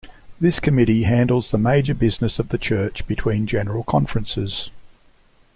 This committee handles the major business of the church between General Conferences.